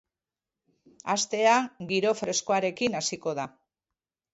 Astea giro freskoarekin hasiko da.